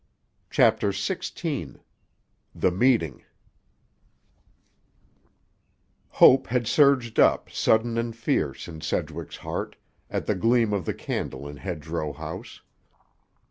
CHAPTER XVI—THE MEETING Hope had surged up, sudden and fierce, in Sedgwick's heart, at the gleam of the candle in Hedgerow House.